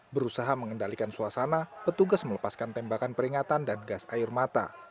berusaha mengendalikan suasana petugas melepaskan tembakan peringatan dan gas air mata